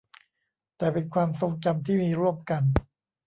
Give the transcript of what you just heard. แต่เป็นความทรงจำที่มีร่วมกัน